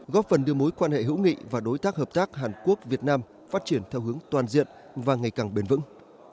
góp phần đưa mối quan hệ hữu nghị và đối tác hợp tác hàn quốc việt nam phát triển theo hướng toàn diện và ngày càng bền vững